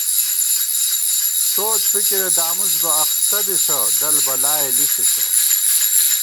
سوچ فِکِرے دامُس بہ اختہ بِسہ ڈل بلائےلِسِسہ